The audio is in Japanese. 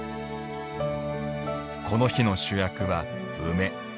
この日の主役は梅。